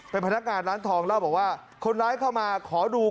เป็นพนักงานร้านทองเล่าบอกว่าคนร้ายเข้ามาขอดู